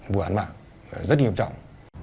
vụ án mạng rất nghiêm trọng